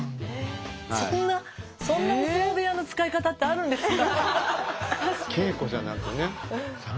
そんなそんなお相撲部屋の使い方ってあるんですか。